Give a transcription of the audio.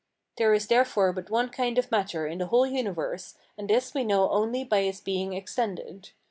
There is therefore but one kind of matter in the whole universe, and this we know only by its being extended.